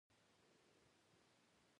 ښایست د درناوي جوهر دی